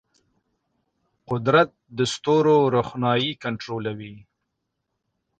قدرت د ستورو روښنايي کنټرولوي.